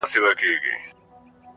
o د اور سوى په اور رغېږي٫